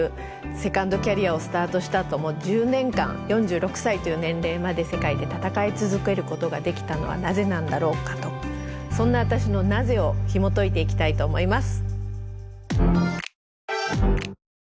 セカンドキャリアをスタートしたあとも１０年間４６歳という年齢まで世界で戦い続けることができたのはなぜなんだろうかとそんな私の「なぜ」をひもといていきたいと思います。